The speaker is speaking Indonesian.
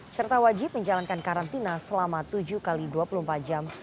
serta wajib menjalankan karantina selama tujuh x dua puluh empat jam